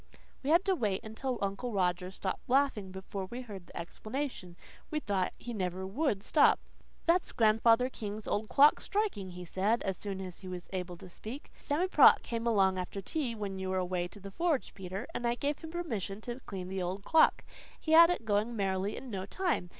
We had to wait until Uncle Roger stopped laughing before we heard the explanation. We thought he never WOULD stop. "That's Grandfather King's old clock striking," he said, as soon as he was able to speak. "Sammy Prott came along after tea, when you were away to the forge, Peter, and I gave him permission to clean the old clock. He had it going merrily in no time.